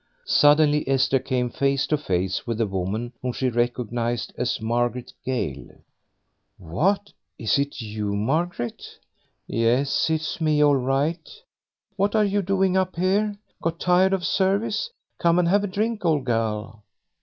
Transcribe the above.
Suddenly Esther came face to face with a woman whom she recognised as Margaret Gale. "What, is it you, Margaret?" "Yes, it is me all right. What are you doing up here? Got tired of service? Come and have a drink, old gal."